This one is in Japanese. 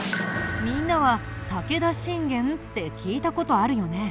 みんなは武田信玄って聞いた事あるよね。